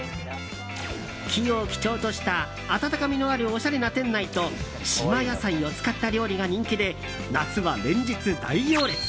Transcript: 木を基調とした温かみのあるおしゃれな店内と島野菜を使った料理が人気で夏は連日大行列。